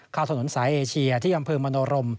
เข้าถนนสายเอเชียที่อำเภอมโนรม